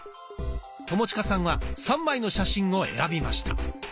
友近さんは３枚の写真を選びました。